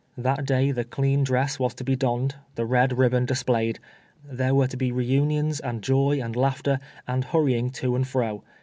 That day the clean dress was to be donned — the red ribbon displayed; there were to be re unions, and joy and laughter, and hurrying to and fro.